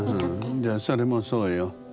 じゃあそれもそうよ。